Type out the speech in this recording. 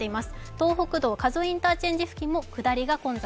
東北道・加須インター付近も下りが混雑。